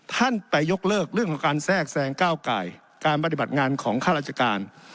ท่านไปยกเลิกเรื่องของการแทรกแซงก้าวไก่การปฏิบัติงานของข้าราชการ